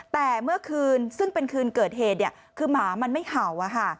แต่เมื่อคืนซึ่งเป็นคืนเกิดเหตุคือหมามันไม่เห่า